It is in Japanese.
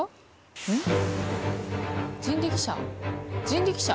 人力車？